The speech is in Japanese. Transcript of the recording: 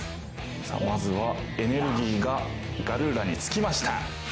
さあまずはエネルギーがガルーラにつきました。